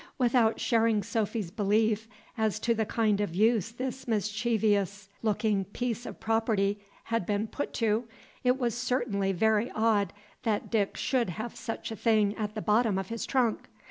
Without sharing Sophy's belief as to the kind of use this mischievous looking piece of property had been put to, it was certainly very odd that Dick should have such a thing at the bottom of his trunk.